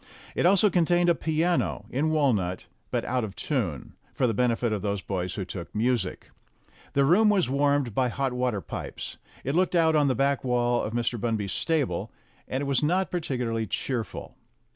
It also contained a piano, in walnut, but out of tune, for the benefit of those boys who took music. The room was warmed by hot water pipes. It looked out on the back wall of Mr. Bunby's stable, and it was not particularly cheerful.